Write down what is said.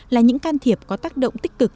là những can thiệp có tác động tích cực